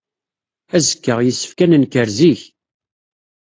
Azekka, yessefk ad nenker zik.